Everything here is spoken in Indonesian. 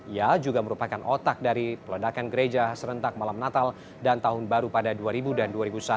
ia juga merupakan otak dari peledakan gereja serentak malam natal dan tahun baru pada dua ribu dan dua ribu satu